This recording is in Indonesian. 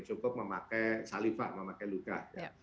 cukup memakai saliva memakai lugah